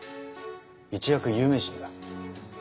一躍有名人だ。